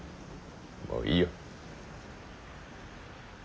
もういいよ。